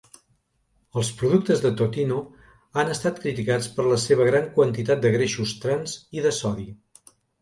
Els productes de Totino han estat criticats per la seva gran quantitat de greixos trans i de sodi.